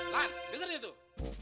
lan dengerin tuh